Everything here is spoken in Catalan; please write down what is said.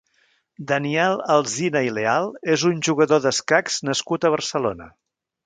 Daniel Alsina i Leal és un jugador d'escacs nascut a Barcelona.